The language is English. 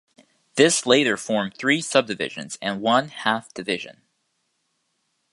This later formed three sub-divisions and one half-division.